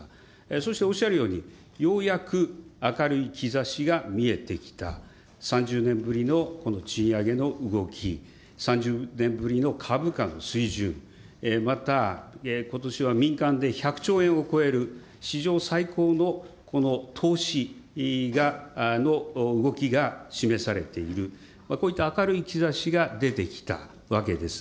そしておっしゃるように、ようやく明るい兆しが見えてきた、３０年ぶりのこの賃上げの動き、３０年ぶりの株価の水準、また、ことしは民間で１００兆円を超える史上最高のこの投資の動きが示されている、こういった明るい兆しが出てきたわけです。